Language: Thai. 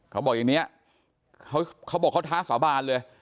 เขาบอกอย่างนี้เขาบอกเขาท้าสาบานเลย